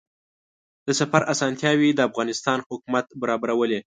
د سفر اسانتیاوې د افغانستان حکومت برابرولې.